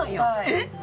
えっ！